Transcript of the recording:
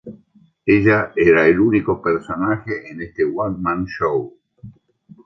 Ella era el único personaje en este one man show.